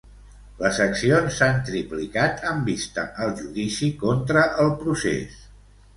Les accions s'han triplicat amb vista al judici contra el procés.